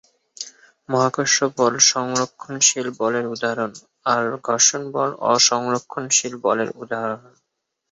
মহাকর্ষ বল সংরক্ষণশীল বলের উদাহরণ, আর ঘর্ষণ বল অ-সংরক্ষণশীল বলের উদাহরণ।